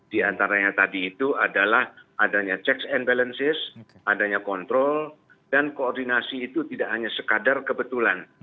di antaranya tadi itu adalah adanya checks and balances adanya kontrol dan koordinasi itu tidak hanya sekadar kebetulan